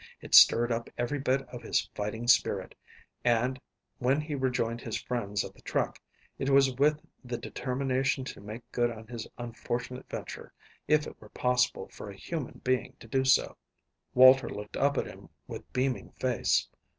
It stirred up every bit of his fighting spirit, and, when he rejoined his friends at the truck, it was with the determination to make good on his unfortunate venture, if it were possible for a human being to do so. Walter looked up at him with beaming face.